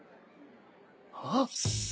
あっ！